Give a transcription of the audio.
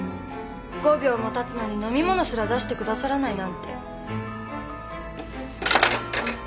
５秒もたつのに飲み物すら出してくださらないなんて。